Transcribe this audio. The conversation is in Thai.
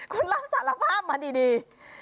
คุณรับสารภาพมาดี